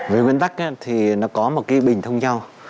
về nguyên tắc thì nó có một cái bình thông nhau